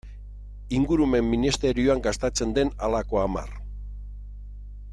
Ingurumen ministerioan gastatzen den halako hamar.